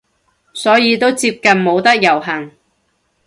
所以都接近冇得遊行